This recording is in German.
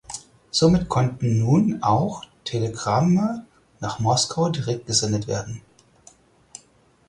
Somit konnten nun auch Telegramme nach Moskau direkt gesendet werden.